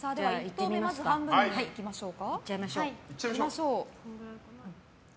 １刀目、半分にいきましょうか。